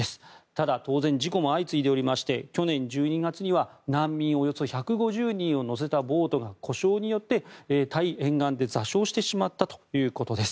ただ、当然事故も相次いでおりまして去年１２月には難民およそ１５０人を乗せたボートが故障によってタイ沿岸で座礁してしまったということです。